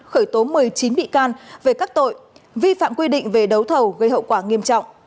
khởi tố một mươi chín bị can về các tội vi phạm quy định về đấu thầu gây hậu quả nghiêm trọng